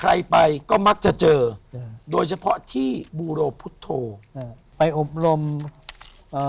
ใครไปก็มักจะเจออ่าโดยเฉพาะที่บูโรพุทธโธอ่าไปอบรมเอ่อ